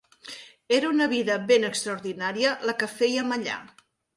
Era una vida ben extraordinària, la que fèiem allà